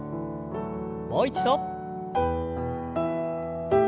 もう一度。